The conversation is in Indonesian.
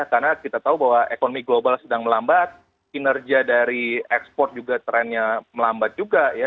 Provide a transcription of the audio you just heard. karena kita tahu bahwa ekonomi global sedang melambat kinerja dari ekspor juga trennya melambat juga ya